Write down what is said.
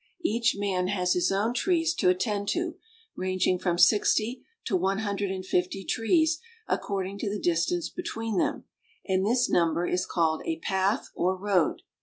Each man has his own trees to attend to, ranging from sixty to one hundred and fifty trees, according to the dis tance between them, and this number is called a path or road.